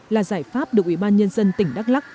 là giải pháp được uan tỉnh đắk lắc